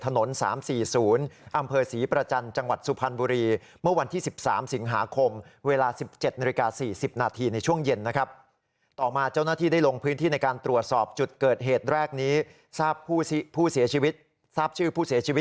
ถนน๓๔๐อำเภอศรีประจันทร์จังหวัดสุพรรณบุรี